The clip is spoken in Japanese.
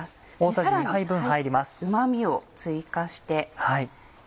さらにうま味を追加して。